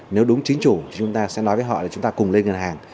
nếu đúng chính chủ chúng ta sẽ nói với họ là chúng ta cùng lên ngân hàng